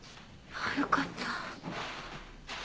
よかった。